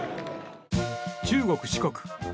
中国・四国。